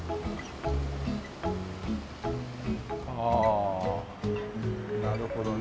ああなるほどね。